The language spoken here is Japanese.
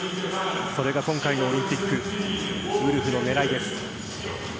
それが今回のオリンピックウルフの狙いです。